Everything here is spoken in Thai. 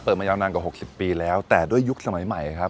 มายาวนานกว่า๖๐ปีแล้วแต่ด้วยยุคสมัยใหม่ครับ